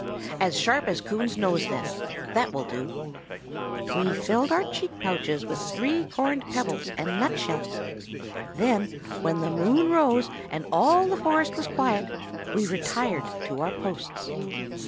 "As sharp as Coon's nose, then; that will do." "We filled our cheek pouches with three cornered pebbles and nut shells. Then, when the moon rose, and all the forest was quiet, we retired to our posts.